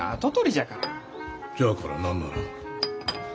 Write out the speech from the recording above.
じゃあから何なら。